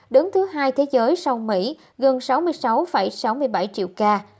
đứng thứ hai thế giới sau mỹ gần sáu mươi sáu sáu mươi bảy triệu ca